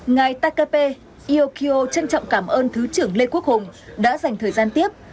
ngài takepe iokio trân trọng cảm ơn thứ trưởng lê quốc hùng đã dành thời gian tiếp